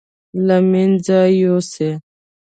له مېنځه يوسي.